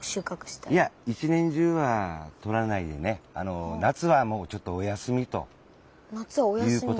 いや一年中は取らないでね夏はもうちょっとお休みということで。